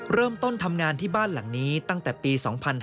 เริ่มต้นทำงานที่บ้านหลังนี้ตั้งแต่ปี๒๕๕๙